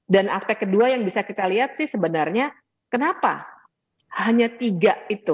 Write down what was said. dan aspek kedua yang bisa kita lihat sih sebenarnya kenapa hanya tiga itu